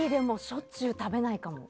しょっちゅう食べないかも。